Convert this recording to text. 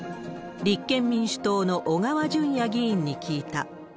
立憲民主党の小川淳也議員に聞いた。